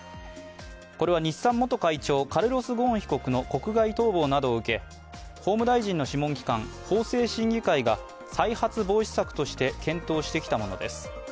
これは日産元会長、カルロス・ゴーン被告の国外逃亡などを受け、法務大臣の諮問機関、法制審議会が再発防止策として検討してきたものです。